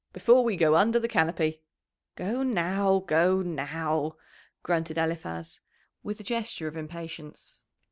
"Before we go under the canopy." "Go now, go now!" grunted Eliphaz, with a gesture of impatience.